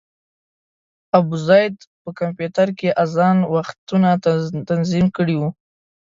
ابوزید په کمپیوټر کې اذان وختونه تنظیم کړي وو.